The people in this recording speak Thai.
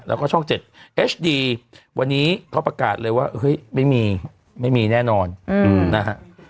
แล้วก็ช่องเจ็ดเอชดีวันนี้เขาประกาศเลยว่าเฮ้ยไม่มีไม่มีแน่นอนนะฮะ